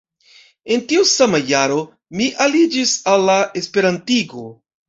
En tiu sama jaro, mi aliĝis al la esperantigo.